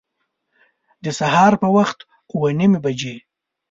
د سهار په وخت اوه نیمي بجي